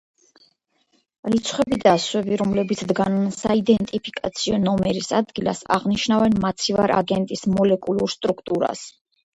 რიცხვები და ასოები, რომლებიც დგანან საიდენტიფიკაციო ნომერის ადგილას, აღნიშნავენ მაცივარ აგენტის მოლეკულურ სტრუქტურას.